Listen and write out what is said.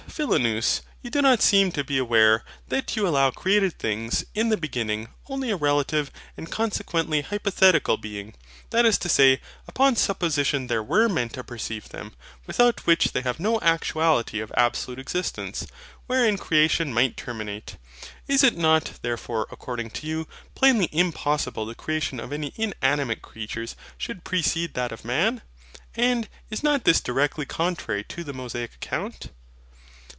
But, Philonous, you do not seem to be aware that you allow created things, in the beginning, only a relative, and consequently hypothetical being: that is to say, upon supposition there were MEN to perceive them; without which they have no actuality of absolute existence, wherein creation might terminate. Is it not, therefore, according to you, plainly impossible the creation of any inanimate creatures should precede that of man? And is not this directly contrary to the Mosaic account?